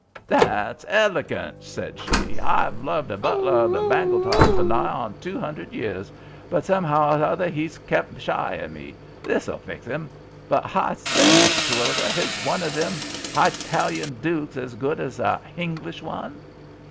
"That's helegant," said she. "H'I've loved a butler o' the Bangletops for nigh hon to two 'undred years, but, some'ow or hother, he's kep' shy o' me. This'll fix 'im. But h'I say, Mr. Terwilliger, his one o' them Heyetalian dukes as good as a Henglish one?"